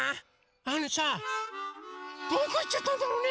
あのさどこいっちゃったんだろうね？